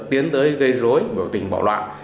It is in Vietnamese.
tiến tới gây rối biểu tình bạo loạn